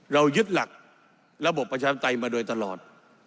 เรายึดหลักระบบประชาติมาโดยตลอด